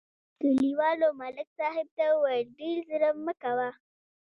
کلیوالو ملک صاحب ته وویل: ډېر ظلم مه کوه.